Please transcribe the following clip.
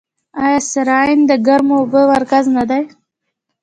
آیا سرعین د ګرمو اوبو مرکز نه دی؟